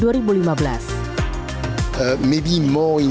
art basel menjadi sebuah hiburan seni